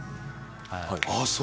ああ、そう。